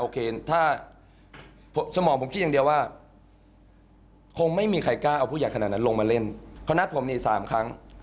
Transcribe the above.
เขานัดผมนี่๓ครั้ง